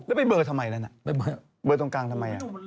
แล้วไปเบอร์ทำไมแล้วนะเบอร์ตรงกลางทำไม